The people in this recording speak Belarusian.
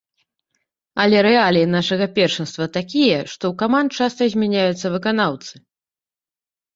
Але рэаліі нашага першынства такія, што ў каманд часта змяняюцца выканаўцы.